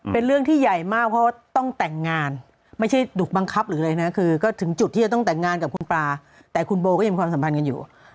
เป็นเรื่องที่ใหญ่มากเพราะว่าต้องแต่งงานไม่ใช่ดุกบังคับหรืออะไรนะคือก็ถึงจุดที่จะต้องแต่งงานกับคุณปลาแต่คุณโบก็ยังมีความสัมพันธ์กันอยู่